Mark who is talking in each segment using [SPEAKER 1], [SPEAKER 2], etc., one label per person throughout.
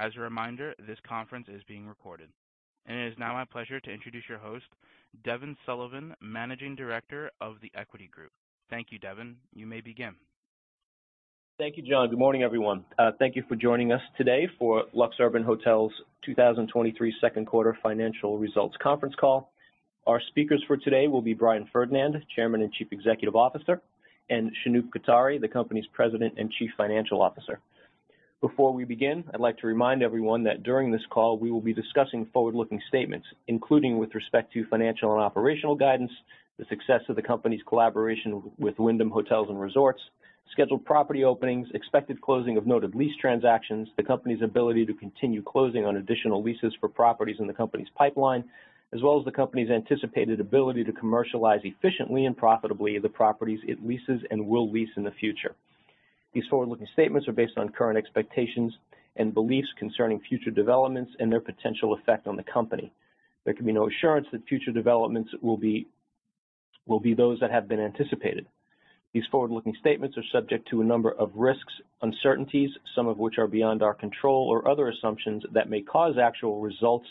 [SPEAKER 1] As a reminder, this conference is being recorded. It is now my pleasure to introduce your host, Devin Sullivan, Managing Director of The Equity Group. Thank you, Devin. You may begin.
[SPEAKER 2] Thank you, John. Good morning, everyone. Thank you for joining us today for LuxUrban Hotels' 2023 second quarter financial results conference call. Our speakers for today will be Brian Ferdinand, Chairman and Chief Executive Officer, and Shanoop Kothari, the company's President and Chief Financial Officer. Before we begin, I'd like to remind everyone that during this call, we will be discussing forward-looking statements, including with respect to financial and operational guidance, the success of the company's collaboration with Wyndham Hotels & Resorts, scheduled property openings, expected closing of noted lease transactions, the company's ability to continue closing on additional leases for properties in the company's pipeline, as well as the company's anticipated ability to commercialize efficiently and profitably the properties it leases and will lease in the future. These forward-looking statements are based on current expectations and beliefs concerning future developments and their potential effect on the company. There can be no assurance that future developments will be, will be those that have been anticipated. These forward-looking statements are subject to a number of risks, uncertainties, some of which are beyond our control, or other assumptions that may cause actual results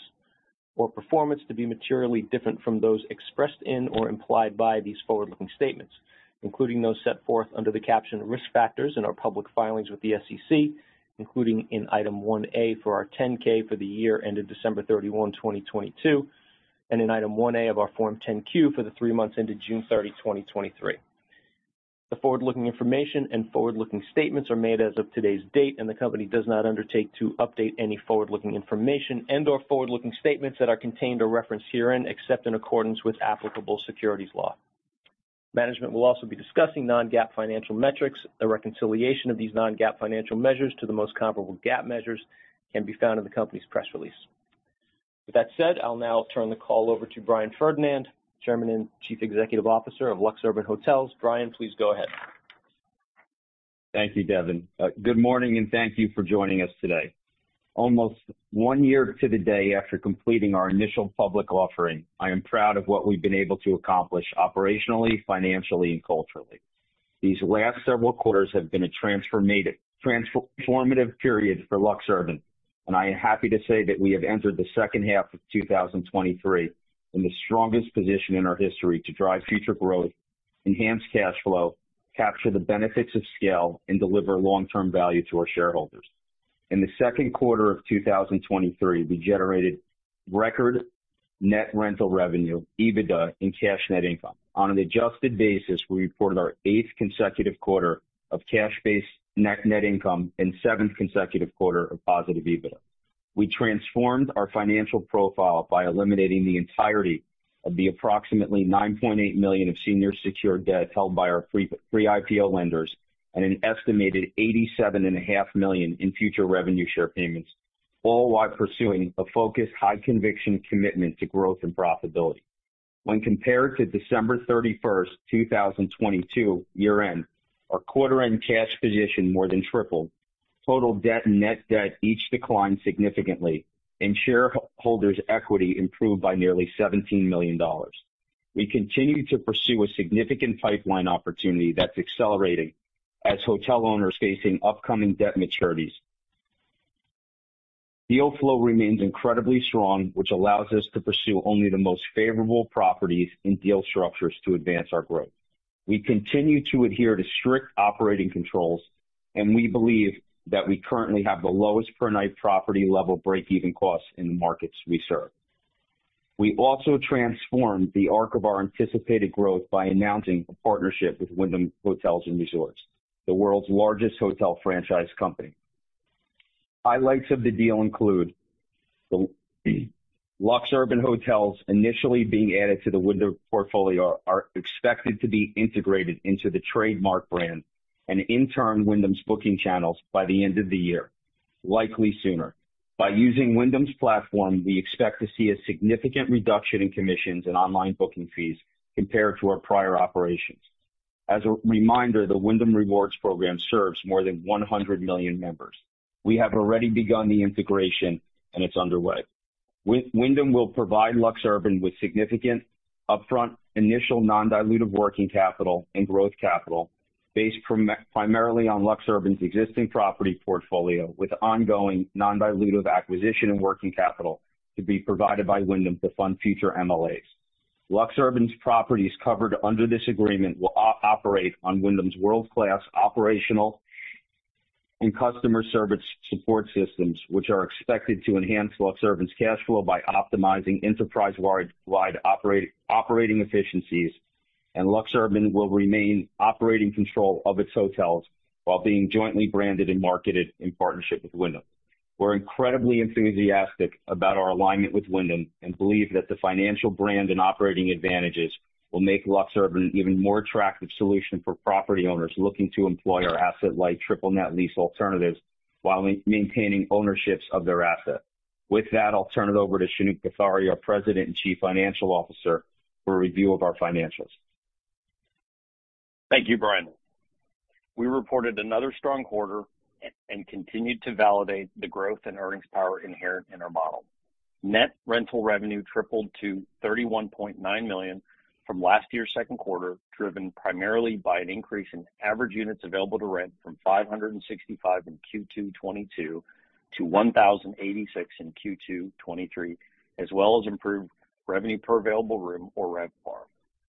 [SPEAKER 2] or performance to be materially different from those expressed in or implied by these forward-looking statements, including those set forth under the caption Risk Factors in our public filings with the SEC, including in Item 1A for our 10-K for the year ended December 31, 2022, and in Item 1A of our Form 10-Q for the three months ended June 30, 2023. The forward-looking information and forward-looking statements are made as of today's date, and the company does not undertake to update any forward-looking information and/or forward-looking statements that are contained or referenced herein, except in accordance with applicable securities law. Management will also be discussing non-GAAP financial metrics. A reconciliation of these non-GAAP financial measures to the most comparable GAAP measures can be found in the company's press release. With that said, I'll now turn the call over to Brian Ferdinand, Chairman and Chief Executive Officer of LuxUrban Hotels. Brian, please go ahead.
[SPEAKER 3] Thank you, Devin. Good morning, and thank you for joining us today. Almost one year to the day after completing our initial public offering, I am proud of what we've been able to accomplish operationally, financially, and culturally. These last several quarters have been a transformative, transformative period for LuxUrban, and I am happy to say that we have entered the second half of 2023 in the strongest position in our history to drive future growth, enhance cash flow, capture the benefits of scale, and deliver long-term value to our shareholders. In the second quarter of 2023, we generated record net rental revenue, EBITDA, and cash net income. On an adjusted basis, we reported our eighth consecutive quarter of cash-based net net income and seventh consecutive quarter of positive EBITDA. We transformed our financial profile by eliminating the entirety of the approximately $9.8 million of senior secured debt held by our pre-IPO lenders and an estimated $87.5 million in future revenue share payments, all while pursuing a focused, high conviction commitment to growth and profitability. When compared to December 31st, 2022 year-end, our quarter-end cash position more than tripled, total debt and net debt each declined significantly, and shareholders' equity improved by nearly $17 million. We continue to pursue a significant pipeline opportunity that's accelerating as hotel owners facing upcoming debt maturities. Deal flow remains incredibly strong, which allows us to pursue only the most favorable properties and deal structures to advance our growth. We continue to adhere to strict operating controls, and we believe that we currently have the lowest per night property-level breakeven costs in the markets we serve. We also transformed the arc of our anticipated growth by announcing a partnership with Wyndham Hotels & Resorts, the world's largest hotel franchise company. Highlights of the deal include the LuxUrban Hotels initially being added to the Wyndham portfolio, are expected to be integrated into the Trademark Collection by Wyndham and in turn, Wyndham's booking channels by the end of the year, likely sooner. By using Wyndham's platform, we expect to see a significant reduction in commissions and online booking fees compared to our prior operations. As a reminder, the Wyndham Rewards program serves more than 100 million members. We have already begun the integration, and it's underway. Wyndham will provide LuxUrban with significant upfront initial non-dilutive working capital and growth capital based primarily on LuxUrban's existing property portfolio, with ongoing non-dilutive acquisition and working capital to be provided by Wyndham to fund future MLAs. LuxUrban's properties covered under this agreement will operate on Wyndham's world-class operational and customer service support systems, which are expected to enhance LuxUrban's cash flow by optimizing enterprise-wide operating efficiencies. LuxUrban will remain operating control of its hotels while being jointly branded and marketed in partnership with Wyndham. We're incredibly enthusiastic about our alignment with Wyndham and believe that the financial brand and operating advantages will make LuxUrban an even more attractive solution for property owners looking to employ our asset-light triple-net lease alternatives while maintaining ownerships of their asset. With that, I'll turn it over to Shanoop Kothari, our President and Chief Financial Officer, for a review of our financials.
[SPEAKER 4] Thank you, Brian. We reported another strong quarter and continued to validate the growth and earnings power inherent in our model. Net rental revenue tripled to $31.9 million from last year's second quarter, driven primarily by an increase in average units available to rent from 565 in Q2 2022 to 1,086 in Q2 2023, as well as improved Revenue Per Available Room or RevPAR.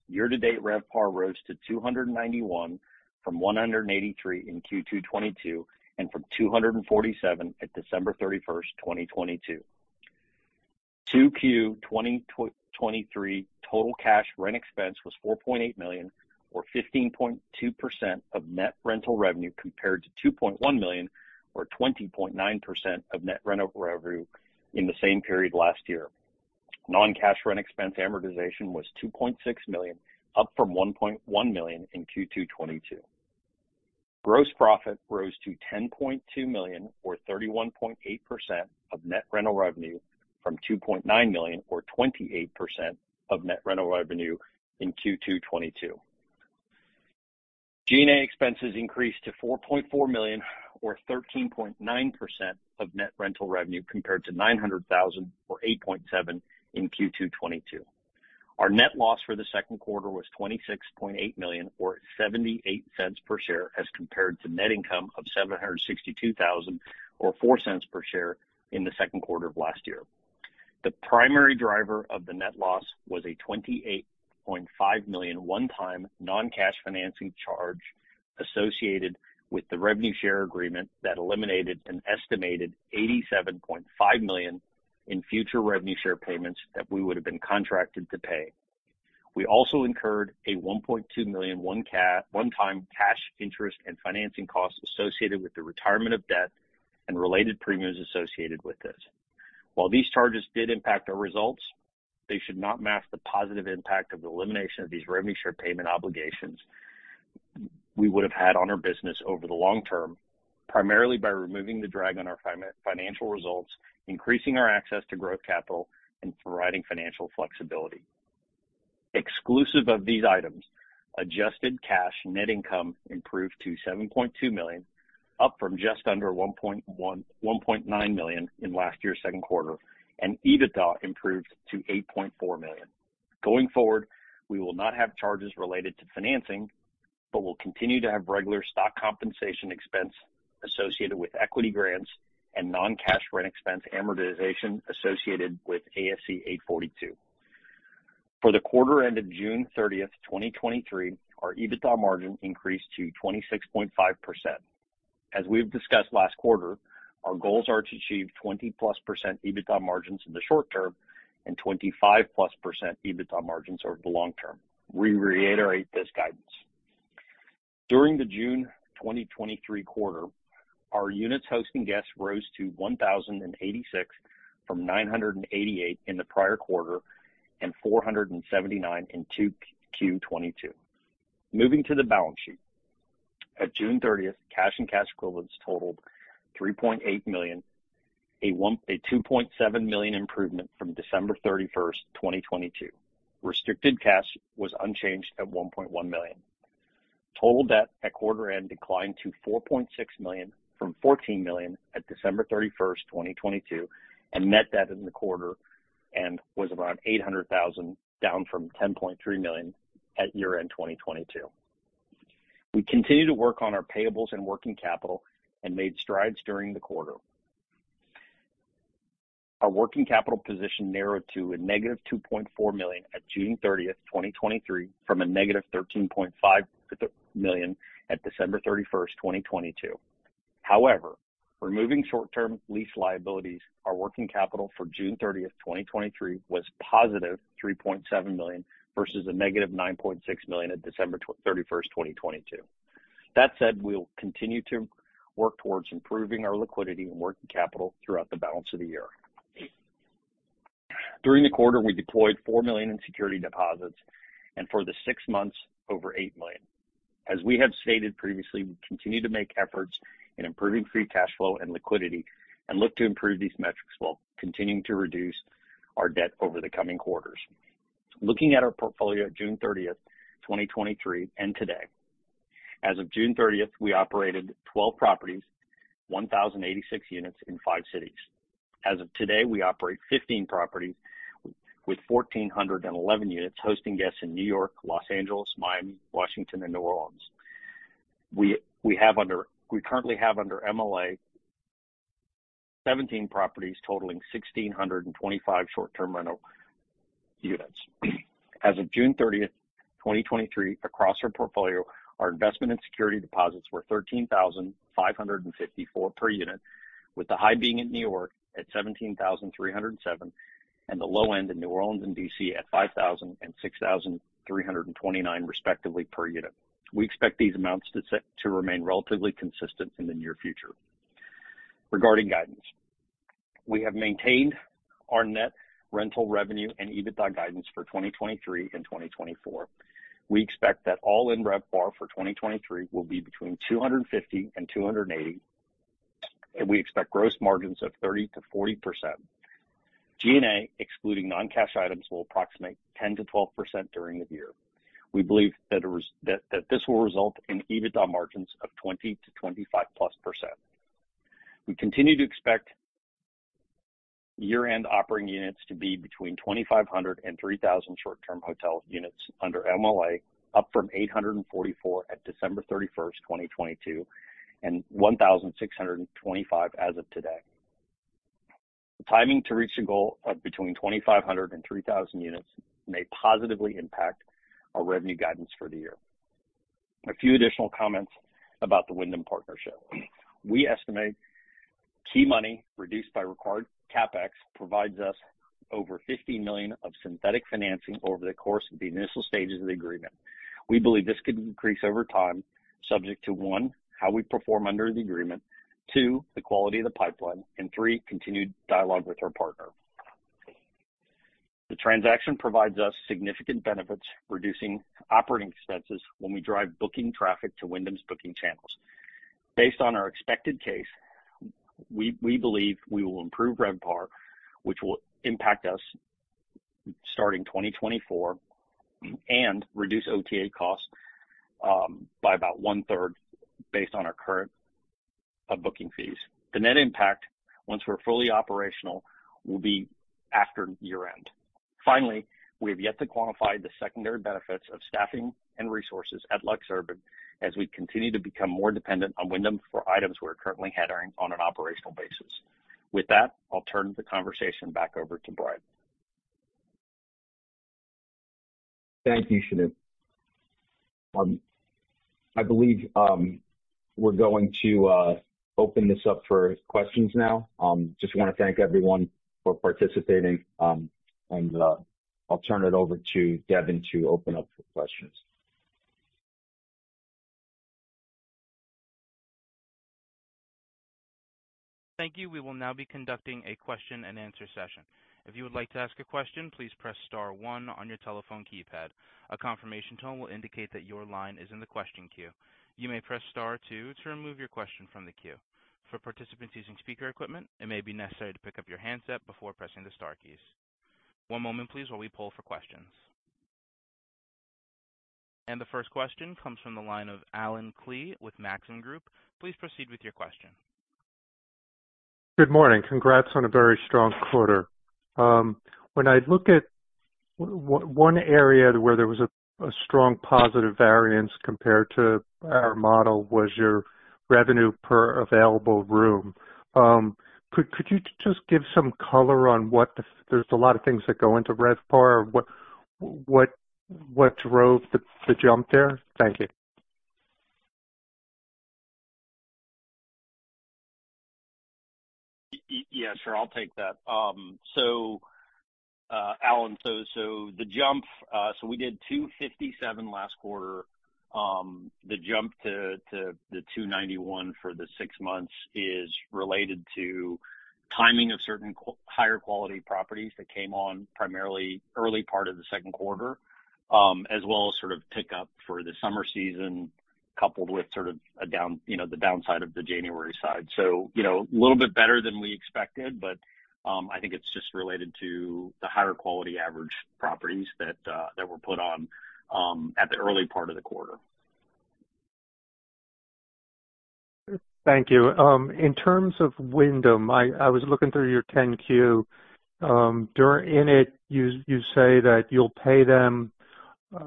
[SPEAKER 4] Year-to-date RevPAR rose to 291 from 183 in Q2 2022, and from 247 at December 31, 2022. 2Q 2023 total cash rent expense was $4.8 million, or 15.2% of net rental revenue, compared to $2.1 million, or 20.9% of net rental revenue in the same period last year. Non-cash rent expense amortization was $2.6 million, up from $1.1 million in Q2 2022. Gross profit rose to $10.2 million or 31.8% of net rental revenue from $2.9 million, or 28% of net rental revenue in Q2 2022. G&A expenses increased to $4.4 million or 13.9% of net rental revenue, compared to $900,000 or 8.7% in Q2 2022. Our net loss for the second quarter was $26.8 million or $0.78 per share, as compared to net income of $762,000 or $0.04 per share in the second quarter of last year. The primary driver of the net loss was a $28.5 million, one-time, non-cash financing charge associated with the revenue share agreement that eliminated an estimated $87.5 million in future revenue share payments that we would have been contracted to pay. We also incurred a $1.2 million, one-time cash interest and financing costs associated with the retirement of debt and related premiums associated with this. While these charges did impact our results, they should not mask the positive impact of the elimination of these revenue share payment obligations we would have had on our business over the long term, primarily by removing the drag on our financial results, increasing our access to growth capital, and providing financial flexibility. Exclusive of these items, adjusted cash net income improved to $7.2 million, up from just under $1.9 million in last year's second quarter, and EBITDA improved to $8.4 million. Going forward, we will not have charges related to financing, but will continue to have regular stock compensation expense associated with equity grants and non-cash rent expense amortization associated with ASC 842. For the quarter ended June 30th, 2023, our EBITDA margin increased to 26.5%. As we've discussed last quarter, our goals are to achieve +20% EBITDA margins in the short term and +25% EBITDA margins over the long term. We reiterate this guidance. During the June 2023 quarter, our units hosting guests rose to 1,086 from 988 in the prior quarter and 479 in Q22. Moving to the balance sheet. At June 30th, cash and cash equivalents totaled $3.8 million, a $2.7 million improvement from December 31st, 2022. Restricted cash was unchanged at $1.1 million. Total debt at quarter end declined to $4.6 million from $14 million at December 31st, 2022. Net debt in the quarter and was around $800,000, down from $10.3 million at year-end 2022. We continue to work on our payables and working capital and made strides during the quarter. Our working capital position narrowed to -$2.4 million at June 30th, 2023, from -$13.5 million at December 31st, 2022. However, removing short-term lease liabilities, our working capital for June 30th, 2023, was +$3.7 million versus -$9.6 million at December 31st, 2022. That said, we will continue to work towards improving our liquidity and working capital throughout the balance of the year. During the quarter, we deployed $4 million in security deposits and for the six months, over $8 million. As we have stated previously, we continue to make efforts in improving free cash flow and liquidity and look to improve these metrics while continuing to reduce our debt over the coming quarters. Looking at our portfolio at June 30th, 2023, and today. As of June 30th, we operated 12 properties, 1,086 units in five cities. As of today, we operate 15 properties with 1,411 units, hosting guests in New York, Los Angeles, Miami, Washington, and New Orleans. We currently have under MLA 17 properties, totaling 1,625 short-term rental units. As of June 30th, 2023, across our portfolio, our investment in security deposits were $13,554 per unit, with the high being in New York at $17,307, and the low end in New Orleans and D.C. at $5,000 and $6,329, respectively, per unit. We expect these amounts to remain relatively consistent in the near future. Regarding guidance, we have maintained our net rental revenue and EBITDA guidance for 2023 and 2024. We expect that all-in RevPAR for 2023 will be between $250 and $280. We expect gross margins of 30%-40%. G&A, excluding non-cash items, will approximate 10%-12% during the year. We believe that this will result in EBITDA margins of 20%-25+%. We continue to expect year-end operating units to be between 2,500 and 3,000 short-term hotel units under MLA, up from 844 at December 31st, 2022, and 1,625 as of today. The timing to reach a goal of between 2,500 and 3,000 units may positively impact our revenue guidance for the year. A few additional comments about the Wyndham partnership. We estimate key money reduced by required CapEx provides us over $50 million of synthetic financing over the course of the initial stages of the agreement. We believe this could increase over time, subject to, one, how we perform under the agreement, two, the quality of the pipeline, and three, continued dialogue with our partner. The transaction provides us significant benefits, reducing operating expenses when we drive booking traffic to Wyndham's booking channels. Based on our expected case, we, we believe we will improve RevPAR, which will impact us starting 2024, and reduce OTA costs by about one-third based on our current booking fees. The net impact, once we're fully operational, will be after year-end. Finally, we have yet to quantify the secondary benefits of staffing and resources at LuxUrban as we continue to become more dependent on Wyndham for items we're currently handling on an operational basis. With that, I'll turn the conversation back over to Brian.
[SPEAKER 3] Thank you, Shanoop. I believe we're going to open this up for questions now. Just want to thank everyone for participating, and I'll turn it over to Devin to open up for questions.
[SPEAKER 1] Thank you. We will now be conducting a question-and-answer session. If you would like to ask a question, please press star one on your telephone keypad. A confirmation tone will indicate that your line is in the question queue. You may press star two to remove your question from the queue. For participants using speaker equipment, it may be necessary to pick up your handset before pressing the star keys. One moment, please, while we poll for questions. The first question comes from the line of Allen Klee with Maxim Group. Please proceed with your question.
[SPEAKER 5] Good morning. Congrats on a very strong quarter. When I look at one area where there was a strong positive variance compared to our model was your revenue per available room. Could you just give some color on what the? There's a lot of things that go into RevPAR. What drove the jump there? Thank you.
[SPEAKER 4] Yeah, sure. I'll take that. Allen, so the jump, so we did $257 last quarter. The jump to, to the $291 for the six months is related to timing of certain higher quality properties that came on primarily early part of the second quarter, as well as sort of pick up for the summer season, coupled with sort of a down, you know, the downside of the January side. You know, a little bit better than we expected, but I think it's just related to the higher quality average properties that were put on at the early part of the quarter.
[SPEAKER 5] Thank you. In terms of Wyndham, I was looking through your 10-Q. In it, you say that you'll pay them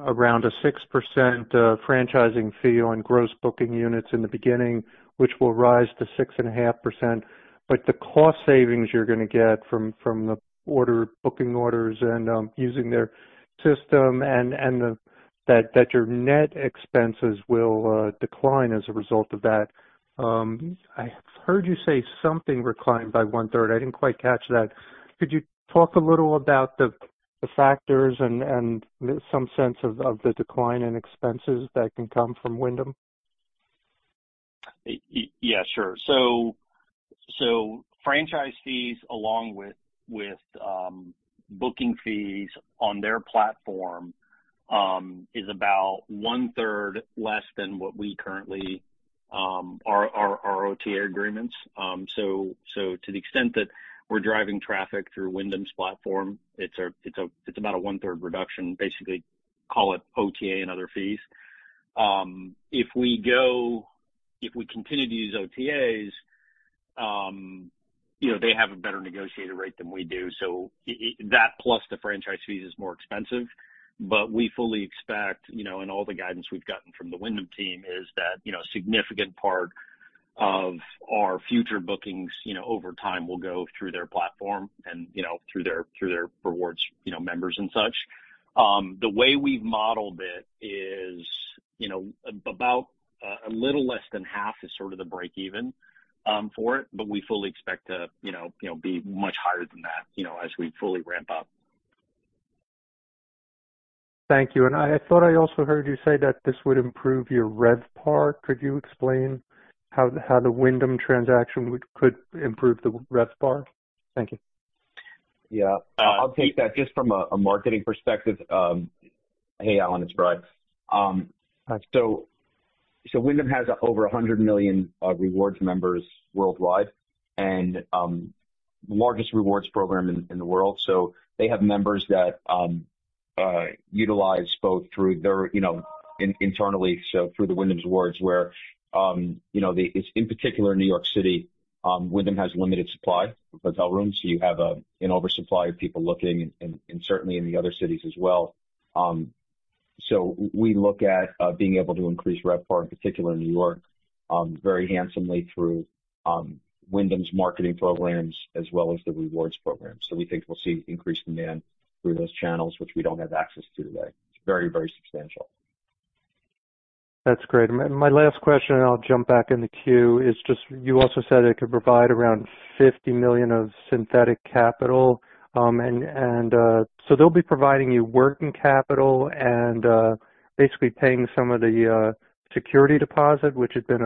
[SPEAKER 5] around a 6% franchising fee on gross booking units in the beginning, which will rise to 6.5%. The cost savings you're gonna get from the order, booking orders and using their system and that your net expenses will decline as a result of that. I heard you say something reclined by one third. I didn't quite catch that. Could you talk a little about the factors and some sense of the decline in expenses that can come from Wyndham?
[SPEAKER 4] Yeah, sure. Franchise fees, along with, with booking fees on their platform, is about one-third less than what we currently, our OTA agreements. To the extent that we're driving traffic through Wyndham's platform, it's about a one-third reduction, basically, call it OTA and other fees. If we continue to use OTAs, you know, they have a better negotiated rate than we do. That plus the franchise fee is more expensive. We fully expect, you know, in all the guidance we've gotten from the Wyndham team is that, you know, a significant part of our future bookings, you know, over time, will go through their platform and, you know, through their, through their Wyndham Rewards, you know, members and such. The way we've modeled it is, you know, about a little less than half is sort of the break even for it, but we fully expect to, you know, you know, be much higher than that, you know, as we fully ramp up.
[SPEAKER 5] Thank you. I thought I also heard you say that this would improve your RevPAR. Could you explain how the, how the Wyndham transaction would, could improve the RevPAR? Thank you.
[SPEAKER 3] Yeah, I'll take that. Just from a marketing perspective. Hey, Allen, it's Brian. Wyndham has over 100 million rewards members worldwide and the largest rewards program in the world. They have members that utilize both through their, you know, internally, so through the Wyndham Rewards, where, you know, the it's in particular New York City, Wyndham has limited supply of hotel rooms, so you have an oversupply of people looking and certainly in the other cities as well. We look at being able to increase RevPAR, in particular in New York, very handsomely through Wyndham's marketing programs as well as the rewards program. We think we'll see increased demand through those channels, which we don't have access to today. It's very, very substantial.
[SPEAKER 5] That's great. My last question, and I'll jump back in the queue, is just you also said it could provide around $50 million of synthetic capital. So they'll be providing you working capital and basically paying some of the security deposit, which has been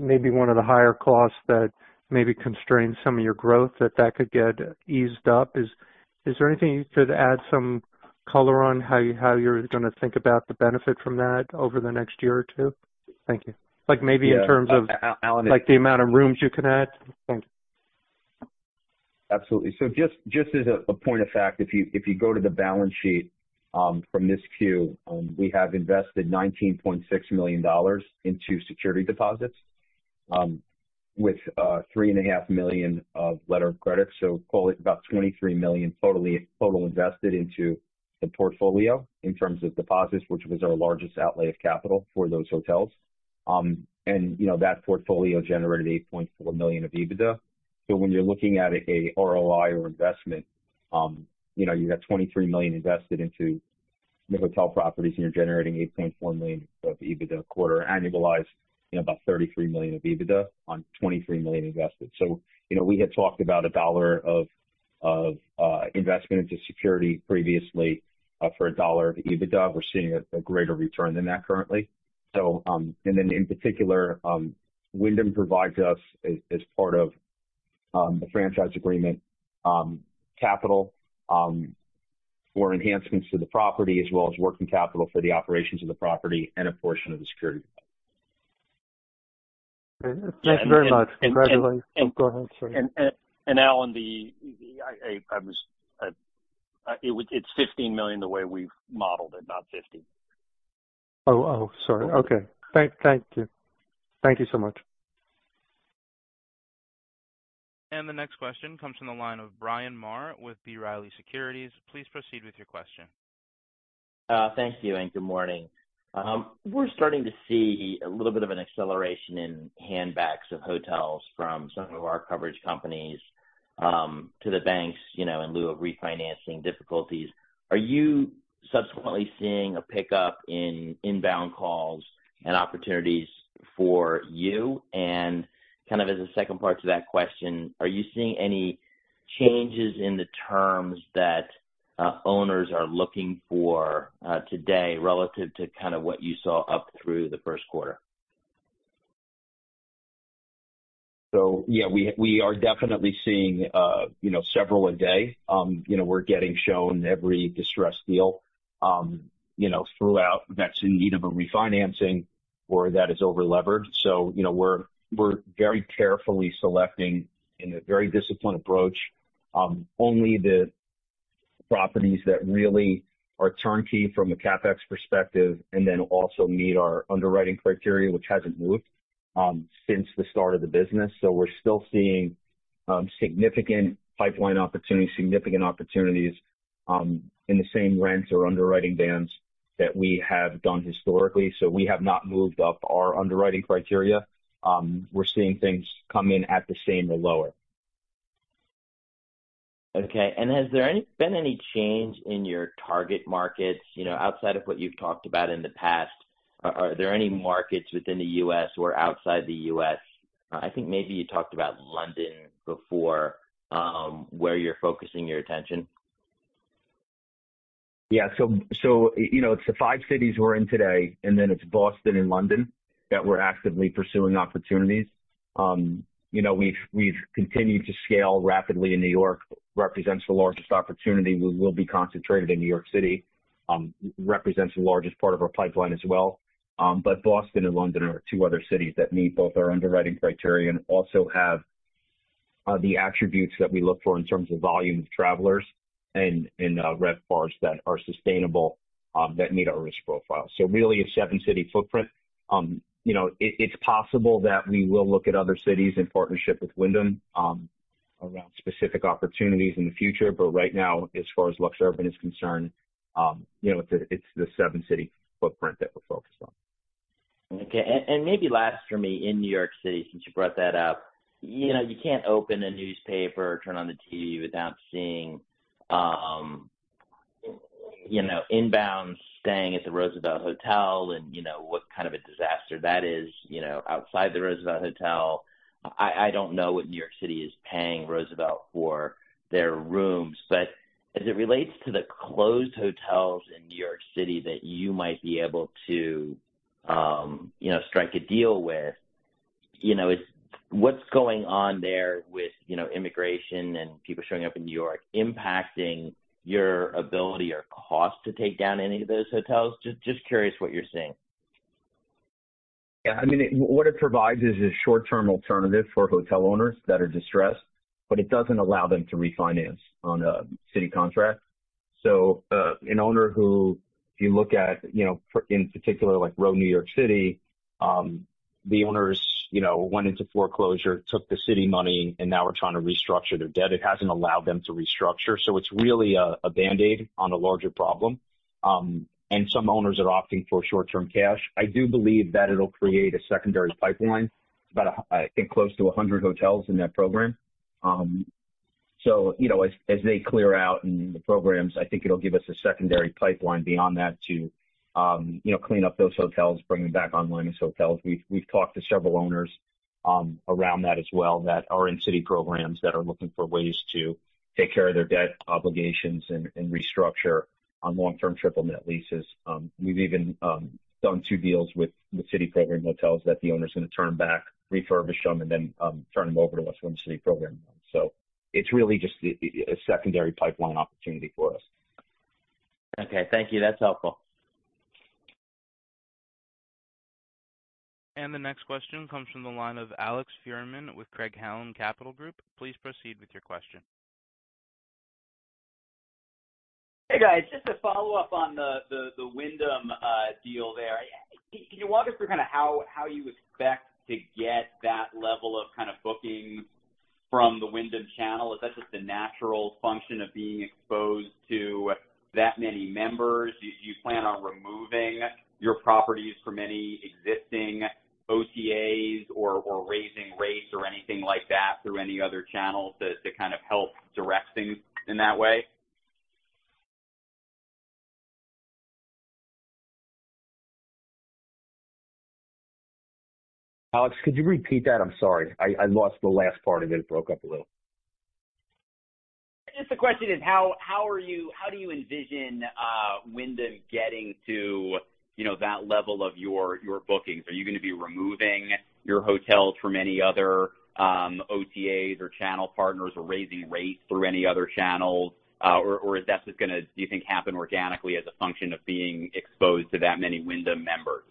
[SPEAKER 5] maybe one of the higher costs that maybe constrained some of your growth, that that could get eased up. Is there anything you could add some color on how you, how you're gonna think about the benefit from that over the next year or two? Thank you. Like, maybe in terms of like, the amount of rooms you can add? Thank you.
[SPEAKER 3] Absolutely. Just, just as a, a point of fact, if you, if you go to the balance sheet, from this Q, we have invested $19.6 million into security deposits, with $3.5 million of letter of credit. Call it about $23 million total invested into the portfolio in terms of deposits, which was our largest outlay of capital for those hotels. And, you know, that portfolio generated $8.4 million of EBITDA. When you're looking at a ROI or investment, you know, you got $23 million invested into the hotel properties, and you're generating $8.4 million of EBITDA quarter, annualized, you know, about $33 million of EBITDA on $23 million invested. You know, we had talked about $1 of, of investment into security previously, for $1 of EBITDA. We're seeing a greater return than that currently. And then in particular, Wyndham provides us, as, as part of the franchise agreement, capital, for enhancements to the property, as well as working capital for the operations of the property and a portion of the security.
[SPEAKER 5] Okay. Thank you very much. Congratulations. Go ahead, sorry.
[SPEAKER 4] And Allen, it's $15 million the way we've modeled it, not $50 million.
[SPEAKER 5] Oh, oh, sorry. Okay. Thank, thank you. Thank you so much.
[SPEAKER 1] The next question comes from the line of Bryan Maher with B. Riley Securities. Please proceed with your question.
[SPEAKER 6] Thank you, and good morning. We're starting to see a little bit of an acceleration in handbacks of hotels from some of our coverage companies, to the banks, you know, in lieu of refinancing difficulties. Are you subsequently seeing a pickup in inbound calls and opportunities for you? Kind of as a second part to that question, are you seeing any changes in the terms that owners are looking for today, relative to kind of what you saw up through the first quarter?
[SPEAKER 3] Yeah, we, we are definitely seeing, you know, several a day. You know, we're getting shown every distressed deal, you know, throughout, that's in need of a refinancing or that is overlevered. You know, we're, we're very carefully selecting, in a very disciplined approach, only the properties that really are turnkey from a CapEx perspective, and then also meet our underwriting criteria, which hasn't moved, since the start of the business. We're still seeing, significant pipeline opportunities, significant opportunities, in the same rents or underwriting bands that we have done historically. We have not moved up our underwriting criteria. We're seeing things come in at the same or lower.
[SPEAKER 6] Okay. Has there been any change in your target markets? You know, outside of what you've talked about in the past, are there any markets within the U.S. or outside the U.S., I think maybe you talked about London before, where you're focusing your attention?
[SPEAKER 3] Yeah. So, you know, it's the five cities we're in today, and then it's Boston and London, that we're actively pursuing opportunities. You know, we've, we've continued to scale rapidly, and New York represents the largest opportunity. We will be concentrated in New York City. Represents the largest part of our pipeline as well. Boston and London are two other cities that meet both our underwriting criteria and also have the attributes that we look for in terms of volume of travelers and RevPARs that are sustainable, that meet our risk profile. Really a seven-city footprint. You know, it, it's possible that we will look at other cities in partnership with Wyndham, around specific opportunities in the future, but right now, as far as LuxUrban is concerned, you know, it's the, it's the seven-city footprint that we're focused on.
[SPEAKER 6] Okay. Maybe last for me, in New York City, since you brought that up, you know, you can't open a newspaper or turn on the TV without seeing, you know, inbounds staying at The Roosevelt Hotel and, you know, what kind of a disaster that is, you know, outside The Roosevelt Hotel. I, I don't know what New York City is paying Roosevelt for their rooms, but as it relates to the closed hotels in New York City that you might be able to, you know, strike a deal with, you know, is what's going on there with, you know, immigration and people showing up in New York impacting your ability or cost to take down any of those hotels? Just, just curious what you're seeing.
[SPEAKER 3] Yeah, I mean, what it provides is a short-term alternative for hotel owners that are distressed, but it doesn't allow them to refinance on a city contract. An owner who, if you look at, you know, in particular, like Row NYC, the owners, you know, went into foreclosure, took the city money, and now are trying to restructure their debt. It hasn't allowed them to restructure, so it's really a, a band-aid on a larger problem. And some owners are opting for short-term cash. I do believe that it'll create a secondary pipeline. It's about, I think, close to 100 hotels in that program. As, you know, as, as they clear out in the programs, I think it'll give us a secondary pipeline beyond that to, you know, clean up those hotels, bring them back online as hotels. We've, we've talked to several owners, around that as well, that are in city programs that are looking for ways to take care of their debt obligations and, and restructure on long-term triple-net leases. We've even, done two deals with, with city program hotels that the owner's going to turn back, refurbish them, and then, turn them over to us from the city program. It's really just a, a secondary pipeline opportunity for us.
[SPEAKER 6] Okay, thank you. That's helpful.
[SPEAKER 1] The next question comes from the line of Alex Fuhrman with Craig-Hallum Capital Group. Please proceed with your question.
[SPEAKER 7] Hey, guys, just a follow-up on the Wyndham deal there. Can you walk us through kind of how, how you expect to get that level of kind of bookings from the Wyndham channel? Is that just a natural function of being exposed to that many members? Do, do you plan on removing your properties from any existing OTAs or, or raising rates or anything like that, through any other channels to, to kind of help direct things in that way?
[SPEAKER 3] Alex, could you repeat that? I'm sorry. I, I lost the last part of it. It broke up a little.
[SPEAKER 7] Just the question is: How do you envision Wyndham getting to, you know, that level of your bookings? Are you going to be removing your hotels from any other OTAs or channel partners or raising rates through any other channels? Or is that just gonna, do you think, happen organically as a function of being exposed to that many Wyndham members?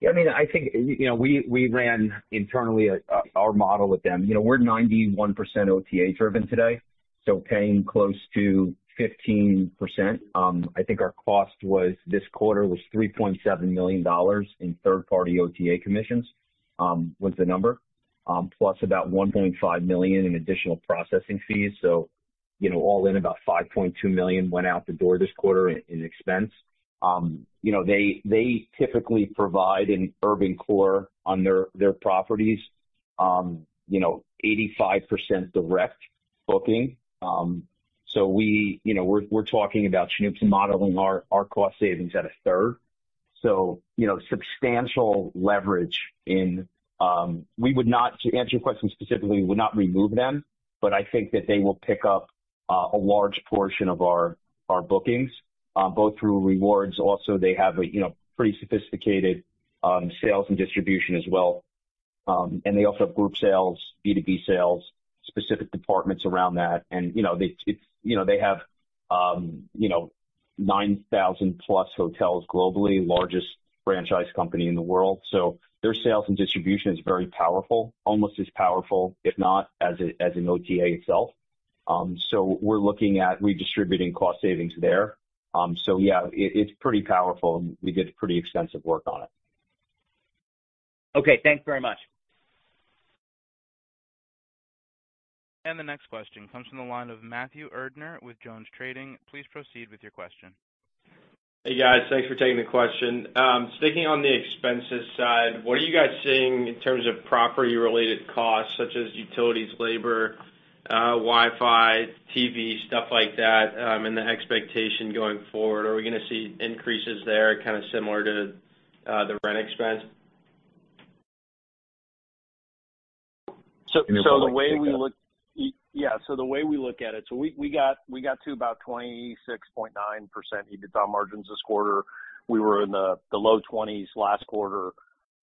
[SPEAKER 3] Yeah, I mean, I think, you know, we, we ran internally, our model with them. You know, we're 91% OTA driven today, so paying close to 15%. I think our cost was, this quarter, was $3.7 million in third-party OTA commissions, was the number, plus about $1.5 million in additional processing fees. You know, all in, about $5.2 million went out the door this quarter in, in expense. You know, they, they typically provide an urban core on their, their properties, you know, 85% direct booking. We, you know, we're, we're talking about Shanoop's modeling our, our cost savings at a third. You know, substantial leverage in. We would not, to answer your question specifically, we would not remove them, but I think that they will pick up a large portion of our bookings, both through rewards. Also, they have a, you know, pretty sophisticated sales and distribution as well. They also have group sales, B2B sales, specific departments around that. You know, they, you know, they have, you know, 9,000+ hotels globally, largest franchise company in the world. Their sales and distribution is very powerful, almost as powerful, if not, as an OTA itself. We're looking at redistributing cost savings there. Yeah, it, it's pretty powerful. We did pretty extensive work on it.
[SPEAKER 7] Okay, thanks very much.
[SPEAKER 1] The next question comes from the line of Matthew Erdner with JonesTrading. Please proceed with your question.
[SPEAKER 8] Hey, guys. Thanks for taking the question. Sticking on the expenses side, what are you guys seeing in terms of property-related costs, such as utilities, labor, Wi-Fi, TV, stuff like that, and the expectation going forward? Are we gonna see increases there, kind of similar to the rent expense?
[SPEAKER 4] Yeah, the way we look at it, so we, we got, we got to about 26.9% EBITDA margins this quarter. We were in the low 20s last quarter.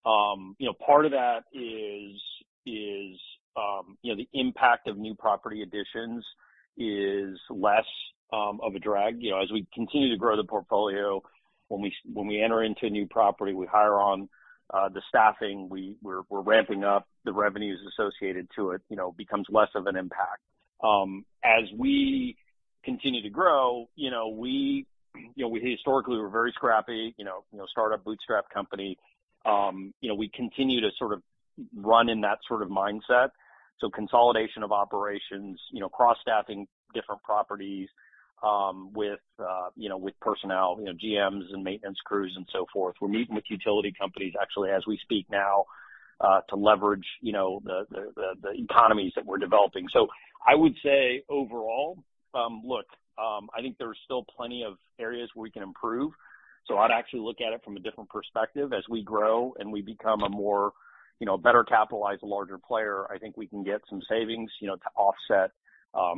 [SPEAKER 4] You know, part of that is, is, you know, the impact of new property additions is less of a drag. You know, as we continue to grow the portfolio, when we, when we enter into a new property, we hire on the staffing, we're, we're ramping up the revenues associated to it, you know, becomes less of an impact. As we continue to grow, you know, we, you know, we historically were very scrappy, you know, you know, startup, bootstrap company. You know, we continue to sort of run in that sort of mindset. Consolidation of operations, you know, cross-staffing different properties, with, you know, with personnel, you know, GMs and maintenance crews and so forth. We're meeting with utility companies, actually, as we speak now, to leverage, you know, the, the, the, the economies that we're developing. I would say overall, look, I think there are still plenty of areas where we can improve. I'd actually look at it from a different perspective. As we grow and we become a more, you know, better capitalized, larger player, I think we can get some savings, you know, to offset,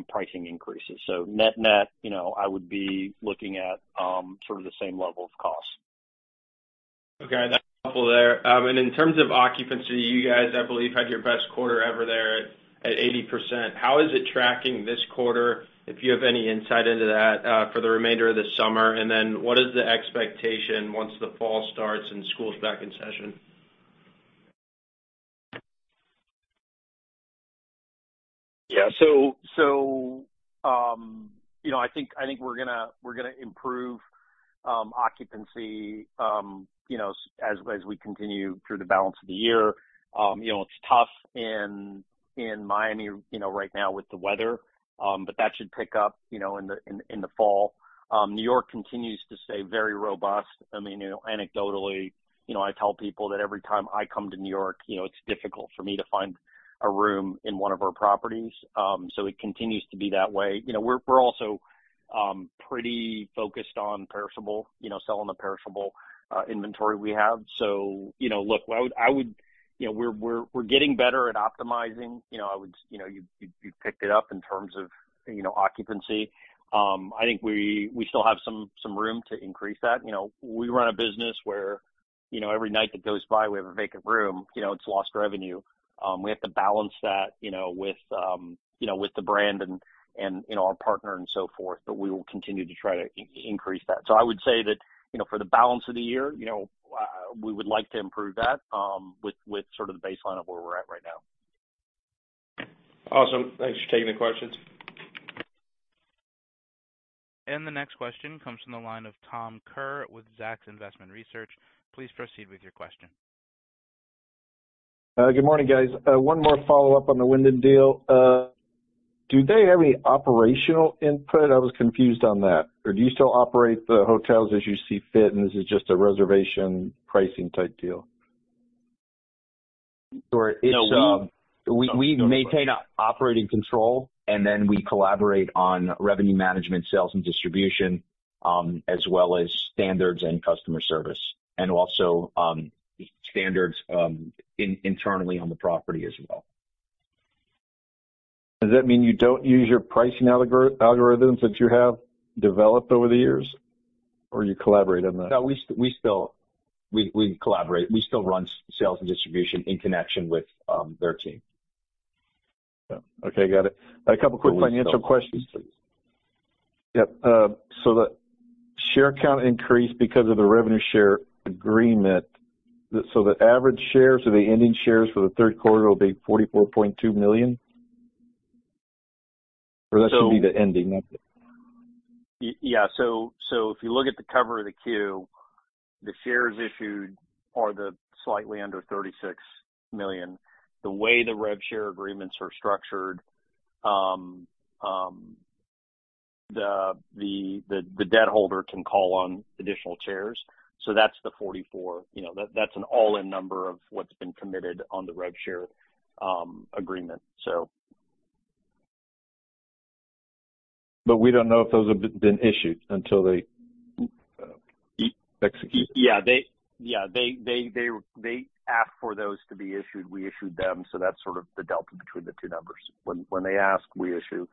[SPEAKER 4] pricing increases. Net-net, you know, I would be looking at, sort of the same level of cost.
[SPEAKER 8] Okay, that's helpful there. In terms of occupancy, you guys, I believe, had your best quarter ever there at, at 80%. How is it tracking this quarter, if you have any insight into that, for the remainder of the summer? What is the expectation once the fall starts and school's back in session?
[SPEAKER 4] Yeah. So, so, you know, I think, I think we're gonna, we're gonna improve occupancy, you know, as, as we continue through the balance of the year. You know, it's tough in Miami, you know, right now with the weather, but that should pick up, you know, in the, in the fall. New York continues to stay very robust. I mean, you know, anecdotally, you know, I tell people that every time I come to New York, you know, it's difficult for me to find a room in one of our properties. It continues to be that way. You know, we're, we're also pretty focused on perishable, you know, selling the perishable inventory we have. You know, look, I would, I would. You know, we're, we're, we're getting better at optimizing. You know, you picked it up in terms of, you know, occupancy. I think we, we still have some, some room to increase that. You know, we run a business where, you know, every night that goes by, we have a vacant room, you know, it's lost revenue. We have to balance that, you know, with, you know, with the brand and, and, you know, our partner and so forth. We will continue to try to increase that. I would say that, you know, for the balance of the year, you know, we would like to improve that, with, with sort of the baseline of where we're at right now.
[SPEAKER 8] Awesome. Thanks for taking the questions.
[SPEAKER 1] The next question comes from the line of Tom Kerr with Zacks Investment Research. Please proceed with your question.
[SPEAKER 9] Good morning, guys. One more follow-up on the Wyndham deal. Do they have any operational input? I was confused on that. Do you still operate the hotels as you see fit, and this is just a reservation pricing type deal?
[SPEAKER 3] Sure. It's, we, we maintain operating control, and then we collaborate on revenue management, sales, and distribution, as well as standards and customer service, and also, standards, internally on the property as well.
[SPEAKER 9] Does that mean you don't use your pricing algorithms that you have developed over the years, or you collaborate on that?
[SPEAKER 3] No, we still, we collaborate. We still run sales and distribution in connection with, their team.
[SPEAKER 9] Yeah. Okay, got it. A couple quick financial questions, please. Yep, the share count increased because of the revenue share agreement. The average shares or the ending shares for the third quarter will be $44.2 million? That should be the ending, isn't it?
[SPEAKER 4] Yeah. If you look at the cover of the Q, the shares issued are the slightly under $36 million. The way the rev share agreements are structured, the debt holder can call on additional shares. That's the $44 million. You know, that's an all-in number of what's been committed on the rev share agreement.
[SPEAKER 9] We don't know if those have been issued until they executed?
[SPEAKER 4] Yeah, they ask for those to be issued. We issued them, so that's sort of the delta between the two numbers. When they ask, we issue.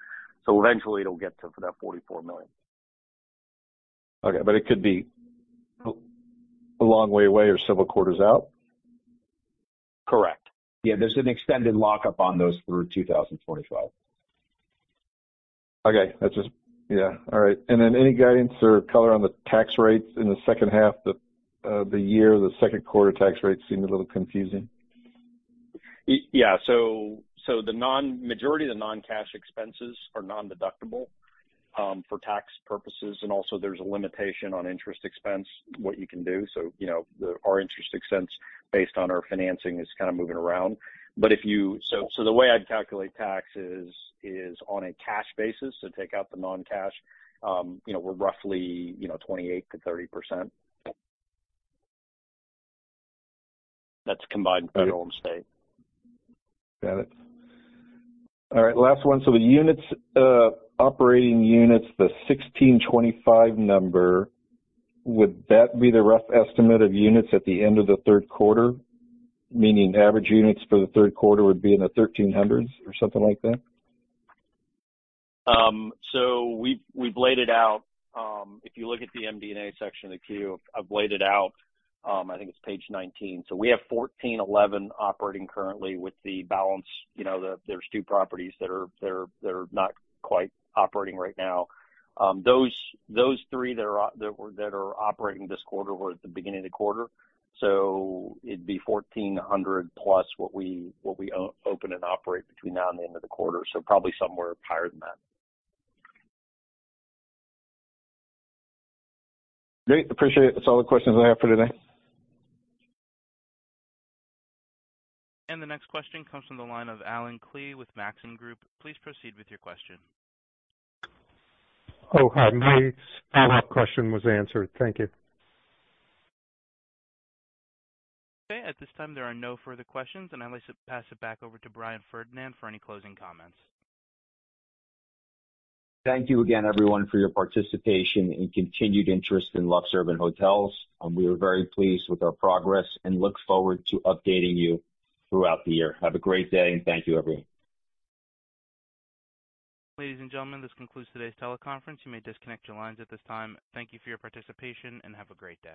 [SPEAKER 4] eventually it'll get to that $44 million.
[SPEAKER 9] Okay, it could be a long way away or several quarters out?
[SPEAKER 4] Correct.
[SPEAKER 3] Yeah, there's an extended lockup on those through 2025.
[SPEAKER 9] Okay, that's just... Yeah. All right. Any guidance or color on the tax rates in the second half of the year? The second quarter tax rate seemed a little confusing.
[SPEAKER 4] Yeah, so, the majority of the non-cash expenses are nondeductible, for tax purposes, and also there's a limitation on interest expense, what you can do. You know, the, our interest expense based on our financing is kind of moving around. The way I'd calculate taxes is on a cash basis. Take out the non-cash, you know, we're roughly, you know, 28%-30%.
[SPEAKER 3] That's combined for the Home State.
[SPEAKER 9] Got it. All right, last one. The units, operating units, the 1,625 number, would that be the rough estimate of units at the end of the third quarter? Meaning average units for the third quarter would be in the 1,300s or something like that?
[SPEAKER 4] We, we've laid it out. If you look at the MD&A section of the Q, I've laid it out. I think it's page 19. We have 1,411 operating currently with the balance. You know, there's two properties that are, that are, that are not quite operating right now. Those, those three that are that were, that are operating this quarter were at the beginning of the quarter, so it'd be 1,400+ what we, what we open and operate between now and the end of the quarter. Probably somewhere higher than that.
[SPEAKER 9] Great. Appreciate it. That's all the questions I have for today.
[SPEAKER 1] The next question comes from the line of Allen Klee with Maxim Group. Please proceed with your question.
[SPEAKER 5] Oh, hi. My follow-up question was answered. Thank you.
[SPEAKER 1] Okay. At this time, there are no further questions. I'd like to pass it back over to Brian Ferdinand for any closing comments.
[SPEAKER 3] Thank you again, everyone, for your participation and continued interest in LuxUrban Hotels. We are very pleased with our progress and look forward to updating you throughout the year. Have a great day, and thank you, everyone.
[SPEAKER 1] Ladies and gentlemen, this concludes today's teleconference. You may disconnect your lines at this time. Thank you for your participation, and have a great day.